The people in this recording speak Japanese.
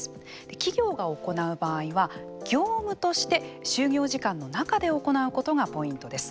企業が行う場合は、業務として就業時間の中で行うことがポイントです。